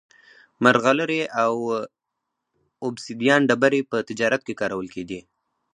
مرغلرې او اوبسیدیان ډبرې په تجارت کې کارول کېدې